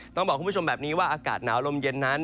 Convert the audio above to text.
ต้องบอกคุณผู้ชมแบบนี้ว่าอากาศหนาวลมเย็นนั้น